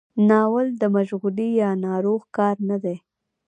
ناول د مشغلې یا ناروغ کار نه دی.